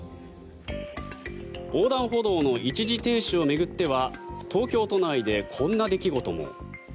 横断歩道の一時停止を巡っては東京都内でこんな出来事も。